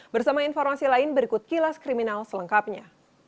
bersama informasi lain berikut kilas kriminal selengkapnya